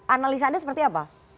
analisa ada seperti apa